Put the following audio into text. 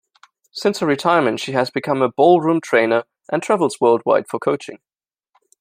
Since her retirement, she has become a ballroom trainer, and travels worldwide for coaching.